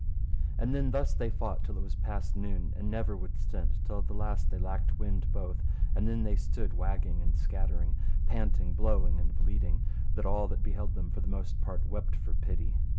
And then thus they fought till it was past noon, and never would stint, till at the last they lacked wind both; and then they stood wagging and scattering, panting, blowing and bleeding, that all that beheld them for the most part wept for pity.